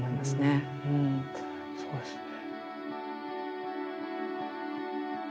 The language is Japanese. そうですね。